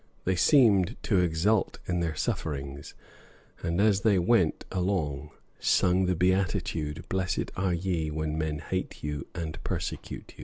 They seemed to exult in their sufferings, and as they went along sung the beatitude, "Blessed are ye, when men hate you and persecute you."